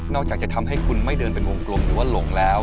อกจากจะทำให้คุณไม่เดินเป็นวงกลมหรือว่าหลงแล้ว